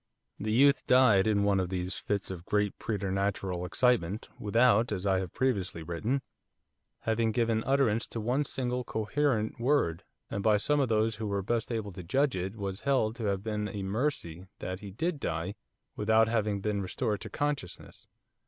The youth died in one of these fits of great preternatural excitement, without, as I have previously written, having given utterance to one single coherent word, and by some of those who were best able to judge it was held to have been a mercy that he did die without having been restored to consciousness.